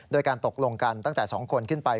โดยการตกลงกันตั้งแต่๒คนขึ้นไป